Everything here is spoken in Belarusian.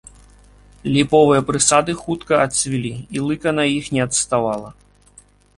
Ліповыя прысады хутка адцвілі, і лыка на іх не адставала.